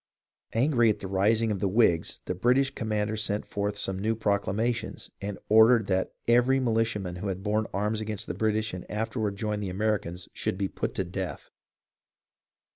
Angry at the rising of the Whigs, the British commander sent forth some new proclamations, and ordered "that every militiaman who had borne arms with the British and after ward joined the Americans should be put to death."